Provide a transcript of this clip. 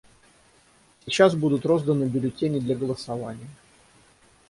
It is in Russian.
Сейчас будут розданы бюллетени для голосования.